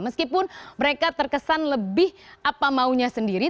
meskipun mereka terkesan lebih apa maunya sendiri